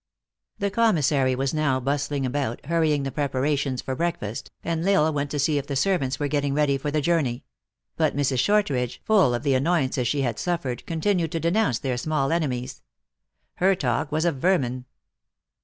The commissary was now bustling about, hurrying the preparations for breakfast, and L Isle went to see if the servants were getting ready for the journey ; but Mrs. Shortridge, full of the annoyances she had suffered, continued to denounce their small enemies. Her talk was of vermin.